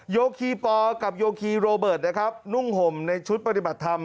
โยคีปอกับโยคีโรเบิร์ตนะครับนุ่งห่มในชุดปฏิบัติธรรม